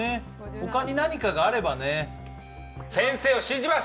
ほかに何かがあればね先生を信じます！